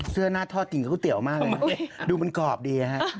เสื้อหน้าทอดกินก็เตี๋ยวมากเลยดูมันกรอบดีนะฮะ